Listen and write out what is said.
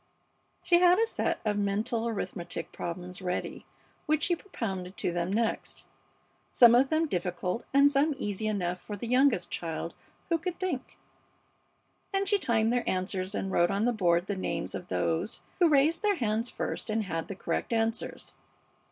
She had a set of mental arithmetic problems ready which she propounded to them next, some of them difficult and some easy enough for the youngest child who could think, and she timed their answers and wrote on the board the names of those who raised their hands first and had the correct answers.